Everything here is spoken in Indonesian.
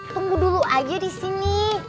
tunggu dulu aja disini